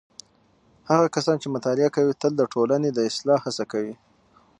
هغه کسان چې مطالعه کوي تل د ټولنې د اصلاح هڅه کوي.